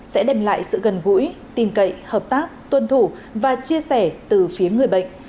sẽ đem lại sự gần gũi tình cậy hợp tác tuân thủ và chia sẻ từ phía người bệnh